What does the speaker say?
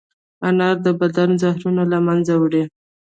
انار د بدن زهرونه له منځه وړي.